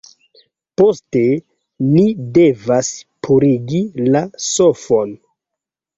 Poste, ni devas purigi la sofon